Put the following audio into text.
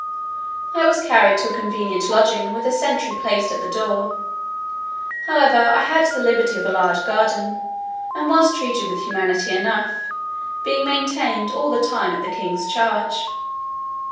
I was carried to a convenient lodging with a sentry placed at the door; however, I had the liberty of a large garden, and was treated with humanity enough, being maintained all the time at the king's charge.